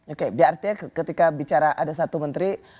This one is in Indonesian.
oke artinya ketika bicara ada satu menteri